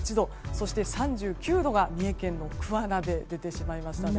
そして、３９度が三重県の桑名で出てしまいましたね。